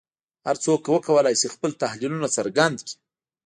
هر څوک وکولای شي خپل تحلیلونه څرګند کړي